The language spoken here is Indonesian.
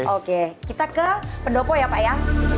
oke kita ke pendopo ya pak ya